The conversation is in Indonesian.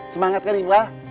semangat kan iqbal